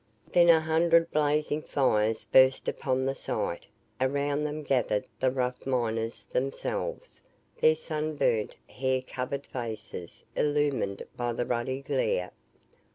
Then a hundred blazing fires burst upon the sight around them gathered the rough miners themselves their sun burnt, hair covered faces illumined by the ruddy glare.